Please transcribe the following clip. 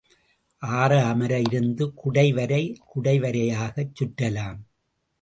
ஆற அமர இருந்து குடைவரை குடைவரையாகச் சுற்றலாம்.